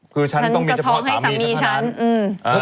คือฉันต้องมีเจ้าพ่อสามีฉันคือฉันก็ท้องให้สามีฉันอืม